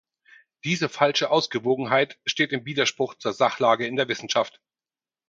Diese falsche Ausgewogenheit steht im Widerspruch zur Sachlage in der Wissenschaft.